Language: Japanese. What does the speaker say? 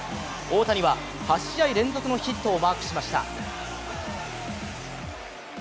大谷は８試合連続のヒットをマークしました。